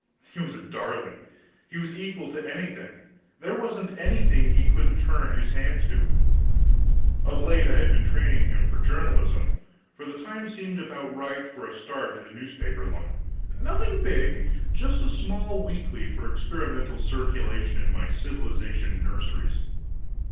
He was a darling; he was equal to anything; there wasn't anything he couldn't turn his hand to. Of late I had been training him for journalism, for the time seemed about right for a start in the newspaper line; nothing big, but just a small weekly for experimental circulation in my civilization nurseries.